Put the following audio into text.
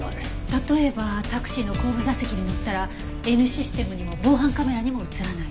例えばタクシーの後部座席に乗ったらＮシステムにも防犯カメラにも映らない。